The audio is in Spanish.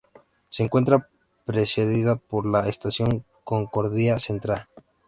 Se encuentra precedida por la Estación Concordia Central.